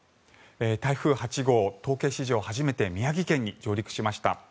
台風８号、統計史上初めて宮城県に上陸しました。